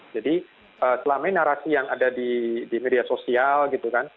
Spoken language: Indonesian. jadi selama ini narasi yang ada di media sosial gitu kan